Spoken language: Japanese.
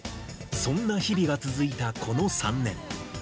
そんな日々が続いたこの３年。